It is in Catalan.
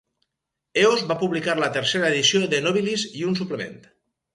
Eos va publicar la tercera edició de Nobilis i un suplement.